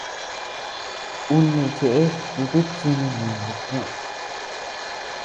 Uu neʼë cheʼe dutit chi ninee bpkioʼö.